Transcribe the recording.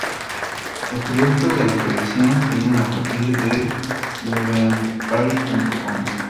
Los productos de la colección se vende a partir de loveandpride.com.